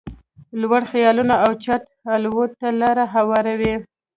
لوړ خيالونه اوچت الوت ته لاره هواروي.